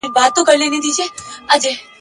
د پردیو خپلو ویني بهېدلې ..